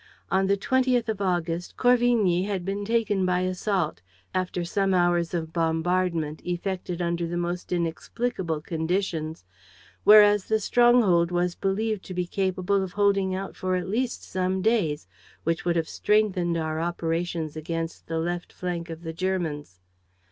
On the 20th of August, Corvigny had been taken by assault, after some hours of bombardment effected under the most inexplicable conditions, whereas the stronghold was believed to be capable of holding out for at least some days, which would have strengthened our operations against the left flank of the Germans.